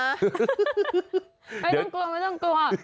ไม่ต้องกลัว